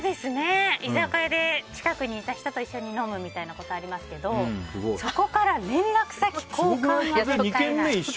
居酒屋で近くにいた人と一緒に飲むってことはありますけどそこから連絡先交換。